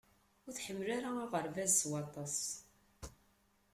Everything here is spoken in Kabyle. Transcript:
Ur tḥemmel ara aɣerbaz s waṭas.